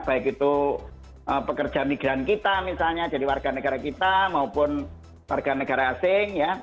baik itu pekerja migran kita misalnya jadi warga negara kita maupun warga negara asing